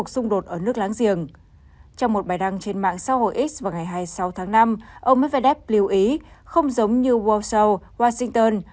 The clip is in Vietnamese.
trong một bài đăng trên mạng xã hội x vào ngày hai mươi sáu tháng năm ông medvedev lưu ý không giống như world show washington